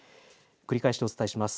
繰り返しお伝えします。